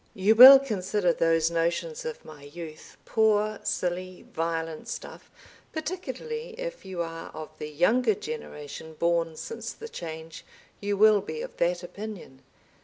... You will consider those notions of my youth poor silly violent stuff; particularly if you are of the younger generation born since the Change you will be of that opinion.